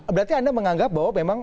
berarti anda menganggap bahwa